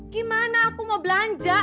gimana aku mau belanja